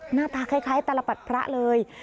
หน้าตาคล้ายตลปัดพระเลย